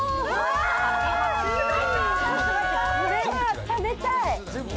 これは食べたい！